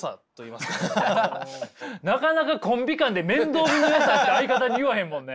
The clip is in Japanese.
なかなかコンビ間で面倒見のよさって相方に言わへんもんね。